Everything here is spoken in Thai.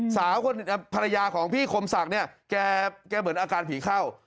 ภรรยาของพี่คมศักดิ์เนี่ยแกเหมือนอาการผีเข้า